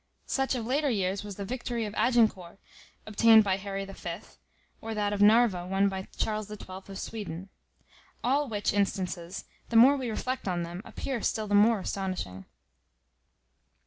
Such of later years was the victory of Agincourt obtained by Harry the Fifth, or that of Narva won by Charles the Twelfth of Sweden. All which instances, the more we reflect on them, appear still the more astonishing.